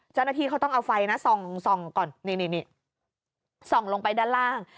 เจ้าหน้าที่เขาต้องเอาไฟนะส่องก่อนนี่ส่องลงไปด้านล่าง